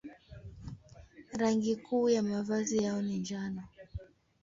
Rangi kuu ya mavazi yao ni njano.